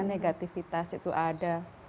kegiatan itu ada